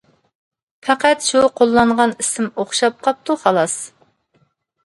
پەقەت شۇ قوللانغان ئىسىم ئوخشاپ قاپتۇ خالاس.